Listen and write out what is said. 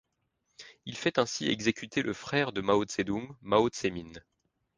Il fait ainsi exécuter le frère de Mao Zedong, Mao Zemin.